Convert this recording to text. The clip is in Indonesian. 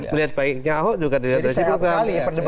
melihat baiknya ahok juga dilihat dari sisi program